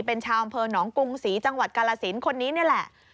เป็นชาวอำเภอหนองกรุงศรีจังหวัดกาลสินคนนี้นี่แหละ